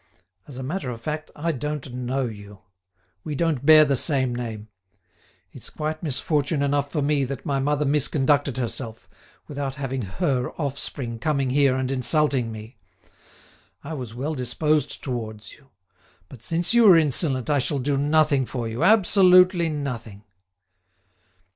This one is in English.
As a matter of fact, I don't know you. We don't bear the same name. It's quite misfortune enough for me that my mother misconducted herself, without having her offspring coming here and insulting me. I was well disposed towards you, but since you are insolent I shall do nothing for you, absolutely nothing."